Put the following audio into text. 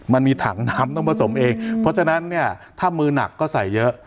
มันมีถังน้ำต้องผสมเองเพราะฉะนั้นเนี่ยถ้ามือหนักก็ใส่เยอะ